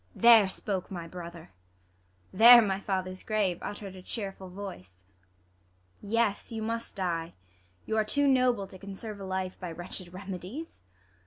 ISAB. There spoke my brother: there my father's grave Utter'd a cheerful voice. Yes, you must die. You are too noble to conserve a life By wretched remedies.